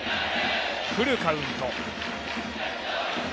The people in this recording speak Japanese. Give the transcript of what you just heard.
フルカウント。